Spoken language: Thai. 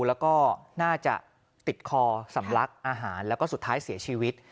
แล้วก็น่าจะติดคอสำลักอาหารแล้วก็สุดท้ายเสียชีวิต